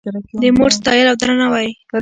د مور ستایل او درناوی